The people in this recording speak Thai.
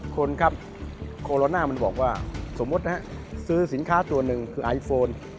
คนครับโคโรนามันบอกว่าสมมุตินะฮะซื้อสินค้าตัวหนึ่งคือไอโฟน